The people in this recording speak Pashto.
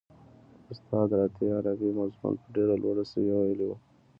استاد راته عربي مضمون په ډېره لوړه سويه ويلی و.